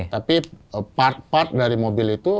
tapi part part dari mobil itu